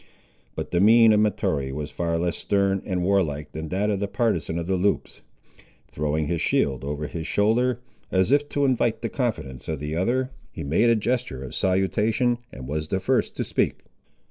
But the mien of Mahtoree was far less stern and warlike than that of the partisan of the Loups. Throwing his shield over his shoulder, as if to invite the confidence of the other, he made a gesture of salutation and was the first to speak.